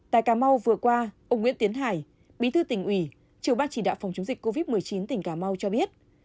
tại cà mau vừa qua ông nguyễn tiến hải bí thư tỉnh ủy trưởng ban chỉ đạo phòng chống dịch covid một mươi chín tỉnh cà mau cho biết